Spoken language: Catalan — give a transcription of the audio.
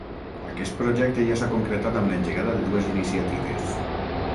Aquest projecte ja s’ha concretat amb l’engegada de dues iniciatives.